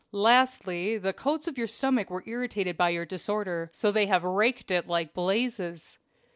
Lastly, the coats of your stomach were irritated by your disorder so they have raked it like blazes.